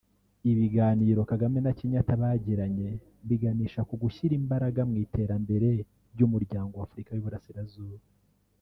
Ibiganiro Kagame na Kenyatta bagiranye biganisha ku gushyira imbaraga mu iterambere ry’Umuryango wa Afurika y’Uburasirazuba